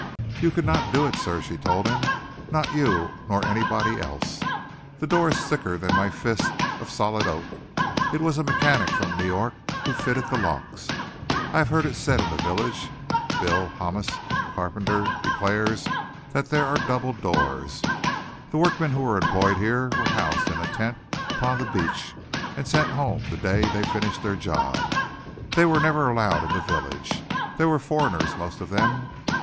"You could not do it, sir," she told him, "not you nor anybody else. The door is thicker than my fist, of solid oak. It was a mechanic from New York who fitted the locks. I have heard it said in the village Bill Hamas, the carpenter, declares that there are double doors. The workmen who were employed here were housed in a tent upon the beach and sent home the day they finished their job. They were never allowed in the village. They were foreigners, most of them.